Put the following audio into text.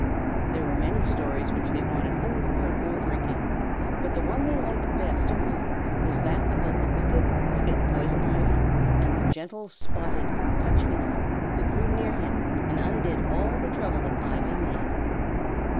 There were many stories which they wanted over and over again, but the one they liked best of all was that about the wicked, wicked Poison Ivy and the gentle Spotted Touch me not who grew near him and undid all the trouble that the Ivy made.